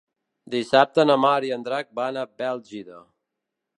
Dissabte na Mar i en Drac van a Bèlgida.